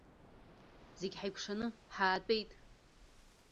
Зегь ҳаикәшаны ҳаатәеит.